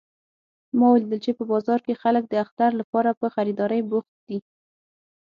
ما ولیدل چې په بازار کې خلک د اختر لپاره په خریدارۍ بوخت دي